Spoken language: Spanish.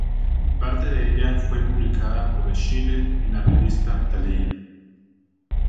Parte de ella fue publicada por Schiller en la revista "Thalia".